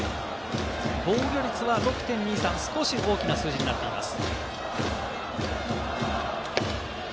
防御率は６．２３、少し大きな数字になっています。